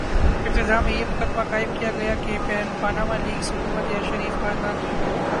ابتدا میں یہ مقدمہ قائم کیا گیا کہ پاناما لیکس حکومت یا شریف خاندان